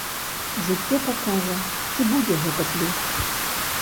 Жыццё пакажа, ці будзе гэта плюс.